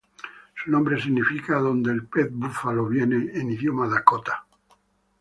Su nombre significa "adonde el pez búfalo viene" en idioma dakota.